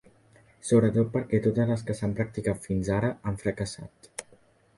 Sobretot perquè totes les que s’han practicat fins ara han fracassat.